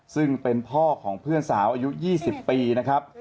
ซึ่งเป็นพ่อของเพื่อนสาวอายุ๒๐ปีนะครับ